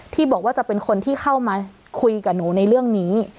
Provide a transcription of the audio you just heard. ที่บอกว่าจะเป็นคนที่เข้ามาคุยกับหนูในเรื่องนี้